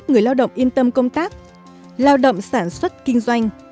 người lao động yên tâm công tác lao động sản xuất kinh doanh